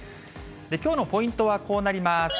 きょうのポイントはこうなります。